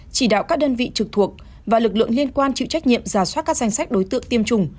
chỉ đạo các đơn vị trực thuộc và lực lượng liên quan chịu trách nhiệm giả soát các danh sách đối tượng tiêm chủng